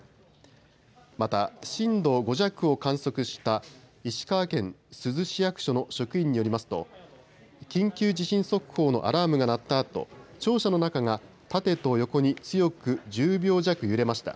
また、震度５弱を観測した石川県珠洲市役所の職員によりますと緊急地震速報のアラームが鳴ったあと庁舎の中が縦と横に強く１０秒弱揺れました。